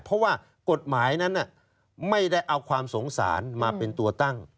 เพราะว่ากฎหมายนั้นไม่ได้เอาความสงสารมาเป็นตัวตั้ง